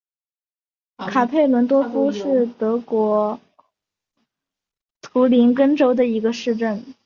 卡佩伦多夫是德国图林根州的一个市镇。